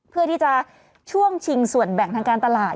เพื่อที่จะช่วงชิงส่วนแบ่งทางการตลาด